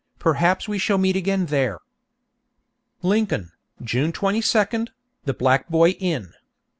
Perhaps we shall meet again there. Lincoln, June 22, The Black Boy Inn.